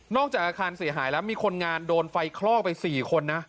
จากอาคารเสียหายแล้วมีคนงานโดนไฟคลอกไป๔คนนะ